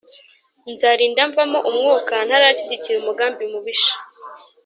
Nzarinda mvamo umwuka ntarashyigikira umugambi mubisha